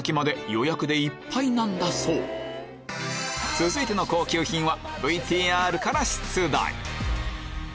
続いての高級品はＶＴＲから出題